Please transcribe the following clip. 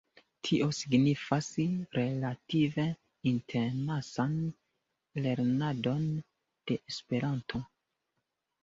Tio signifas relative intensan lernadon de Esperanto.